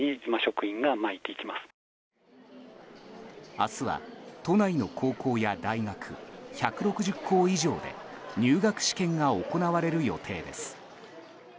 明日は都内の高校や大学１６０校以上で入学試験が行われる予定です。